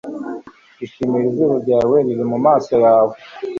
Ishimire izuru ryawe riri mumaso yawe